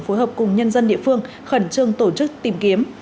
phối hợp cùng nhân dân địa phương khẩn trương tổ chức tìm kiếm